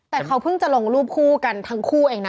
แต่เขาเพิ่งจะลงรูปคู่กันทั้งคู่เองนะ